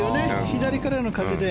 左からの風で。